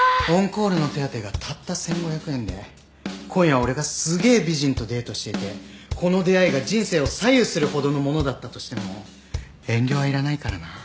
オンコールの手当がたった１，５００円で今夜俺がすげえ美人とデートしていてこの出会いが人生を左右するほどのものだったとしても遠慮はいらないからな。